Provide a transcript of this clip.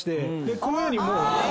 このようにもう。